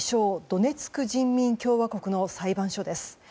ドネツク人民共和国の裁判所です。